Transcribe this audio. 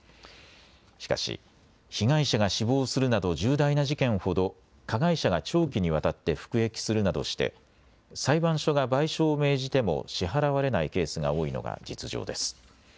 しかし、被害者が死亡するなど重大な事件ほど加害者が長期にわたって服役するなどして裁判所が賠償を命じても支払われないケースが多いのが実情です。